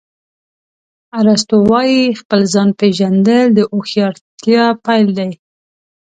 ارسطو وایي خپل ځان پېژندل د هوښیارتیا پیل دی.